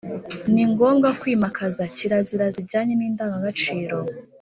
ni ngombwa kwimakaza kirazira zijyana n’indangagaciro